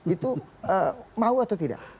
itu mau atau tidak